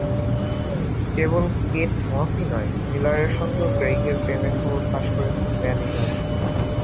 কেবল Kate মসই নয়, মিলারের সঙ্গেও ক্রেইগের প্রেমের খবর ফাঁস করেছেন ড্যান ইভানস।